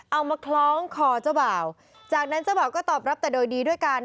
มาคล้องคอเจ้าบ่าวจากนั้นเจ้าบ่าวก็ตอบรับแต่โดยดีด้วยกัน